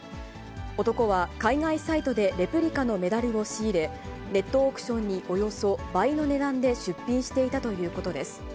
男は、海外サイトでレプリカのメダルを仕入れ、ネットオークションにおよそ倍の値段で出品していたということです。